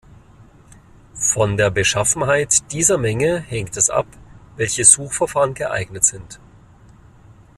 Von der Beschaffenheit dieser Menge hängt es ab, welche Suchverfahren geeignet sind.